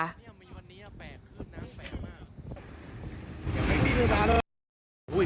วันนี้แปลกพื้นน้ำแปลมาก